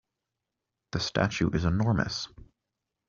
The statue is enormous.